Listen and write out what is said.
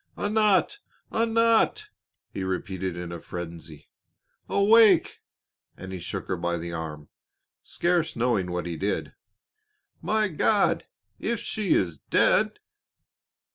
"Anat! Anat!" he repeated in a frenzy. "Awake!" and he shook her by the arm, scarce knowing what he did. "My God! if she is dead!"